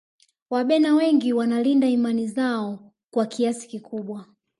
wabena wengi wanalinda imani zao kwa kiasi kikubwa